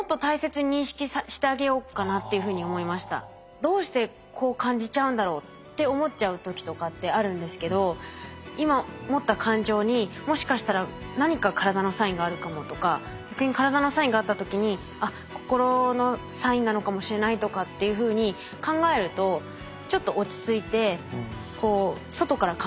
どうしてこう感じちゃうんだろうって思っちゃう時とかってあるんですけど今持った感情にもしかしたら何か体のサインがあるかもとか逆に体のサインがあった時にあっ心のサインなのかもしれないとかっていうふうに考えるとちょっと落ち着いてこう外から考えられるかもしれないですね。